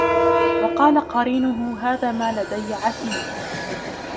وَقَالَ قَرِينُهُ هَذَا مَا لَدَيَّ عَتِيدٌ